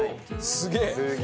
すげえ！